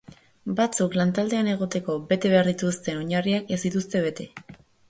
Batzuk lantaldean egoteko bete behar dituzten oinarriak ez dituzte bete.